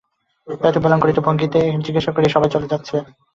দায়িত্ব পালন করার ভঙ্গিতে এইটুকু জিজ্ঞেস করেই সবাই চলে যাচ্ছে!